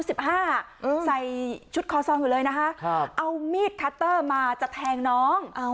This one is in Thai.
ใส่ชุดคอซองอยู่เลยนะคะเอามีดคัตเตอร์มาจะแทงน้อง